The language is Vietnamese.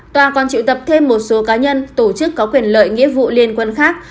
tòa còn triệu tập thêm một số cá nhân tổ chức có quyền lợi nghĩa vụ liên quan khác